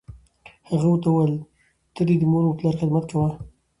هغه ورته وویل: ته دې د مور و پلار خدمت کوه.